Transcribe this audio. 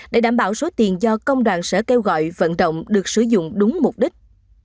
để đảm bảo số tiền do công đoàn sở kêu gọi vận động được sử dụng đúng mục đích